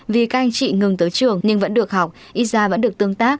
vì các anh chị ngừng tới trường nhưng vẫn được học ít ra vẫn được tương tác